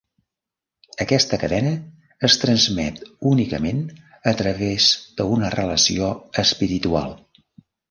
Aquesta cadena es transmet únicament a través d'una relació espiritual.